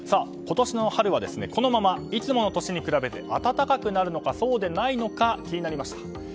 今年の春はこのままいつもの年に比べて暖かくなるのかそうでないのか気になります。